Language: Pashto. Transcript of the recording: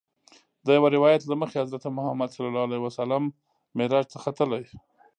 د یوه روایت له مخې حضرت محمد صلی الله علیه وسلم معراج ته ختلی.